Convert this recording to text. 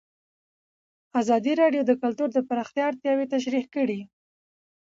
ازادي راډیو د کلتور د پراختیا اړتیاوې تشریح کړي.